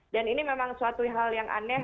dan ini memang suatu hal yang aneh